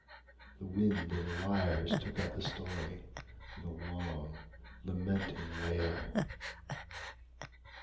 The wind and the wires took up the story with a long lamenting wail.